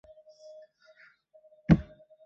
国会解散后返乡归里独居。